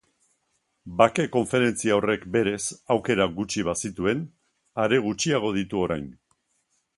Bake konferentzia horrek berez aukera gutxi bazituen, are gutxiago ditu orain.